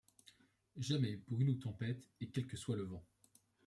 Jamais, brume ou tempête, et quel que soit le vent